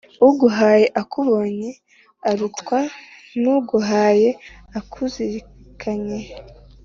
Uguhaye akubonye arutwa n’uguhaye akuzirikanye.